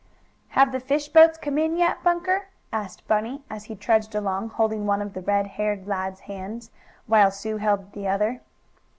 "Have the fish boats come in yet, Bunker?" asked Bunny, as he trudged along, holding one of the red haired lad's hands, while Sue had the other.